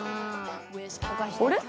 あれ？